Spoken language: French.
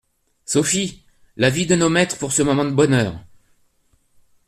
Sophie ! la vie de nos maîtres pour ce moment de bonheur !